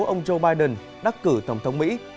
ông joe biden đắc cử tổng thống mỹ